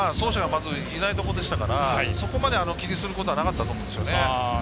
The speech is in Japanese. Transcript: まずいないところでしたからそこまで気にすることはなかったですね。